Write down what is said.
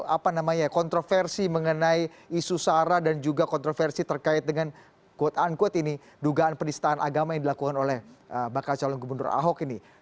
apa namanya kontroversi mengenai isu sara dan juga kontroversi terkait dengan quote unquote ini dugaan penistaan agama yang dilakukan oleh bakal calon gubernur ahok ini